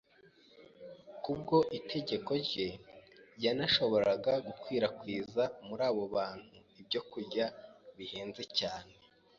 kubwo itegeko rye yanashoboraga gukwirakwiza muri abo bantu ibyokurya bihenze cyane.